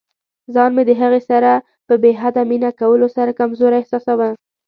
ځان مې د هغې سره په بې حده مینه کولو سره کمزوری احساساوه.